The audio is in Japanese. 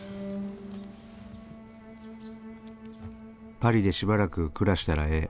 「パリでしばらく暮らしたらええ。